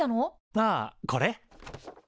ああこれ？